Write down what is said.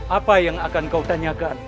apa yang akan kau tanyakan